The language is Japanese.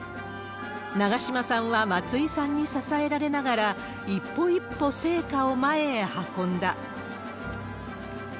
長嶋さんは松井さんに支えられながら、一歩一歩聖火を前へ運んだ。